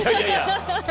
ハハハハ。